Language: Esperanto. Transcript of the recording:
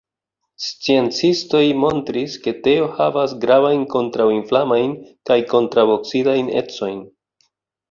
Sciencistoj montris, ke teo havas gravajn kontraŭinflamajn kaj kontraŭoksidajn ecojn.